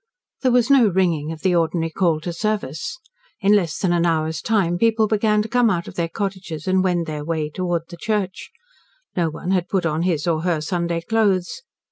There was no ringing of the ordinary call to service. In less than an hour's time people began to come out of their cottages and wend their way towards the church. No one had put on his or her Sunday clothes.